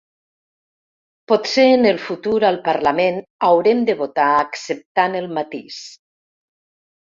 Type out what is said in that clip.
Potser en el futur al parlament haurem de votar acceptant el matís.